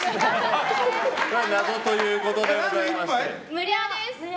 無料です！